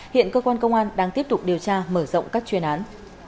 hiện cơ quan công an đang tiếp tục điều tra mở rộng các chuyên án